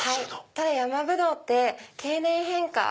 ただヤマブドウって経年変化。